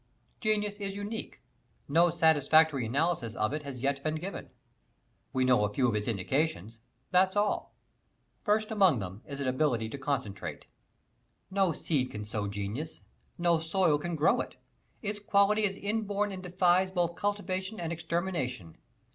Genius is unique. No satisfactory analysis of it has yet been given. We know a few of its indications that's all. First among these is ability to concentrate. No seed can sow genius; no soil can grow it: its quality is inborn and defies both cultivation and extermination.